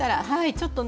はい。